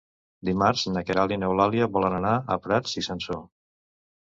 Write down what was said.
Dimarts na Queralt i n'Eulàlia volen anar a Prats i Sansor.